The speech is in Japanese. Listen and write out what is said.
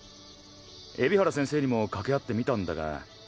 海老原先生にも掛け合ってみたんだが。